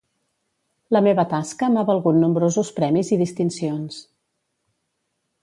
La meva tasca m'ha valgut nombrosos premis i distincions.